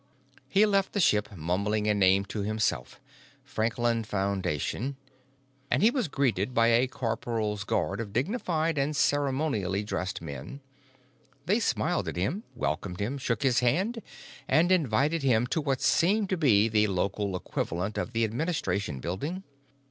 He left the ship mumbling a name to himself: "Franklin Foundation." And he was greeted by a corporal's guard of dignified and ceremonially dressed men; they smiled at him, welcomed him, shook his hand, and invited him to what seemed to be the local equivalent of the administration building.